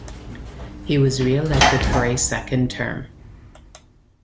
He was reelected for a second term.